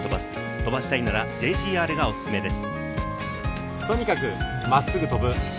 飛ばしたいならＪＧＲがおすすめです。